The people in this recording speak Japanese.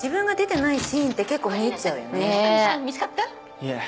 いえ。